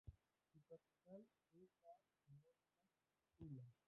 Su capital es la homónima Tula.